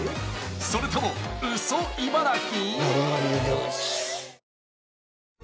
それともウソ茨城？